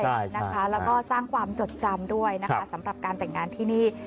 แล้วก็สร้างความจดจำด้วยนะคะสำหรับการแต่งงานที่นี่